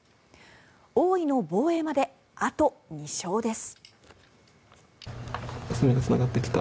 王位の防衛まであと２勝です。